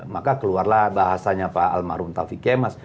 maka keluarlah bahasanya pak almarhum taufik kemas